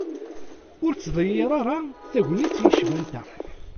Ur ttḍeggir ara tagnit yecban ta.